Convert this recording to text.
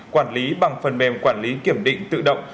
quản lý bằng phần mềm quản lý kiểm định tự động